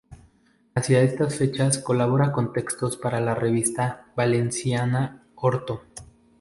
Hacia estas fechas colabora con textos para la revista valenciana "Orto".